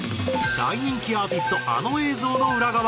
大人気アーティストあの映像の裏側。